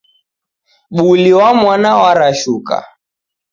Buli wa mwana warashuka